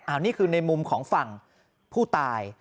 อันนี้คือในมุมของฝั่งผู้ตาย